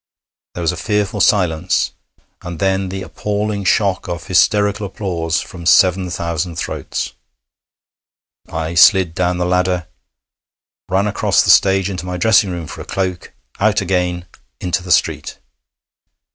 There was a fearful silence, and then the appalling shock of hysterical applause from seven thousand throats. I slid down the ladder, ran across the stage into my dressing room for a cloak, out again into the street.